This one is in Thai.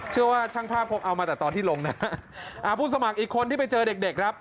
เชื่อว่าช่างภาพคงเอามาแต่ตอนที่ลงนะอ่าผู้สมัครอีกคนที่ไปเจอเด็กเด็กครับ